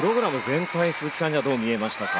全体鈴木さんにはどう見えましたか？